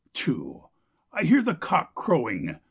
... "Tchoo! I hear the cock crowing!